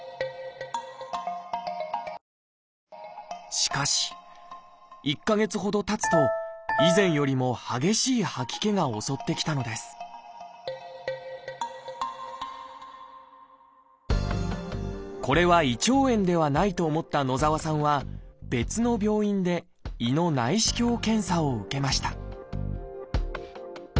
しかし１か月ほどたつと以前よりも激しい吐き気が襲ってきたのですこれは胃腸炎ではないと思った野澤さんは別の病院で胃の内視鏡検査を受けました